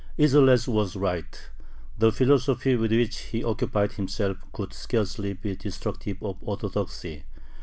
Isserles was right. The philosophy with which he occupied himself could scarcely be destructive of Orthodoxy.